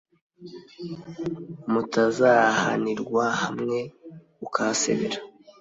mutazahanirwa hamwe ukahasebera